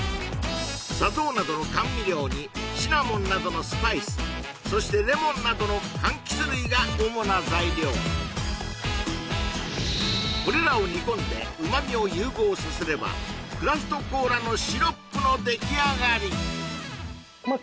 砂糖などの甘味料にシナモンなどのスパイスそしてレモンなどの柑橘類が主な材料これらを煮込んで旨味を融合させればクラフトコーラのシロップの出来上がりまあ